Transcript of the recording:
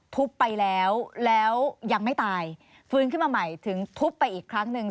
ทุบไปแล้วแล้วยังไม่ตายฟื้นขึ้นมาใหม่ถึงทุบไปอีกครั้งหนึ่ง